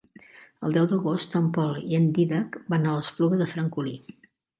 El deu d'agost en Pol i en Dídac van a l'Espluga de Francolí.